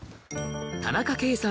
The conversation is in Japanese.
田中圭さん